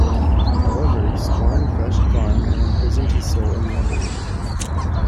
However, Skorne crushed Garm and imprisoned his soul in the Underworld.